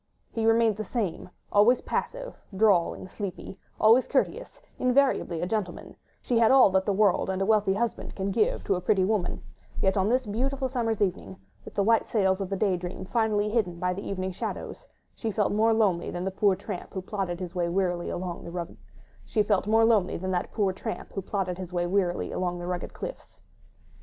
He remained the same, always passive, drawling, sleepy, always courteous, invariably a gentleman: she had all that the world and a wealthy husband can give to a pretty woman, yet on this beautiful summer's evening, with the white sails of the Day Dream finally hidden by the evening shadows, she felt more lonely than that poor tramp who plodded his way wearily along the rugged cliffs.